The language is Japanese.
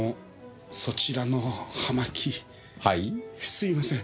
すいません。